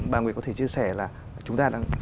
bà nguyệt có thể chia sẻ là chúng ta đang